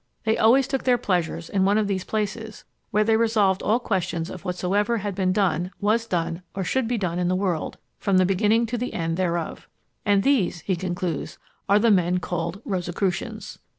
They always took their pleasures in one of these places, where they resolved all questions of whatsoever had been done, was done, or should be done in the world, from the beginning to the end thereof. "And these," he concludes, "are the men called Rosicrucians!"